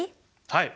はい！